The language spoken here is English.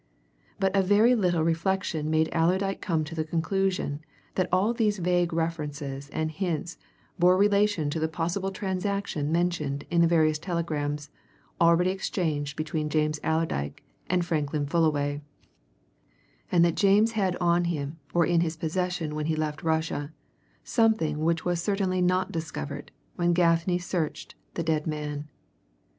But a very little reflection made Allerdyke come to the conclusion that all these vague references and hints bore relation to the possible transaction mentioned in the various telegrams already exchanged between James Allerdyke and Franklin Fullaway, and that James had on him or in his possession when he left Russia something which was certainly not discovered when Gaffney searched the dead man.